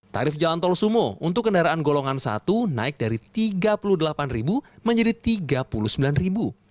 tarif jalan tol sumo untuk kendaraan golongan satu naik dari rp tiga puluh delapan menjadi rp tiga puluh sembilan